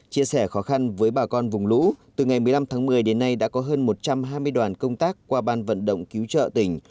chia sẻ khó khăn với bà con vùng lũ từ ngày một mươi năm tháng một mươi đến nay đã có hơn một trăm hai mươi đoàn công tác qua ban vận động cứu trợ tỉnh